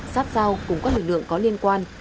sát sao cùng các lực lượng có liên quan